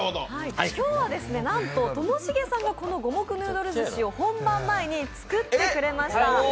今日はなんとともしげさんがこの五目ヌードルずしを本番前に作ってくれました。